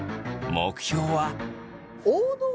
目標は。